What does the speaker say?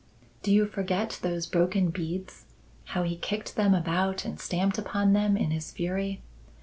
Do you forget those broken beads; how he kicked them about and stamped upon them in his fury?